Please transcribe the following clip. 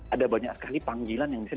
ada banyak sekali panggilan yang bisa